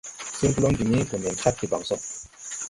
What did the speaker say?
Sir Golonguini go nen Chad debaŋ so.